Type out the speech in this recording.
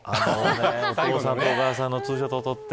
お父さんとお母さんのツーショットを撮って。